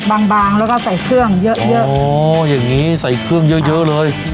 บางบางแล้วก็ใส่เครื่องเยอะเยอะโอ้อย่างงี้ใส่เครื่องเยอะเยอะเลย